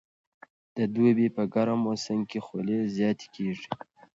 د دوبي په ګرم موسم کې خولې زیاتې کېږي.